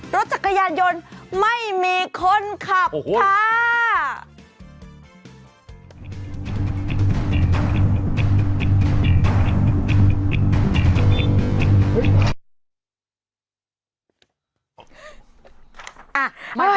รถจักรยานยนต์ไม่มีคนขับค่ะ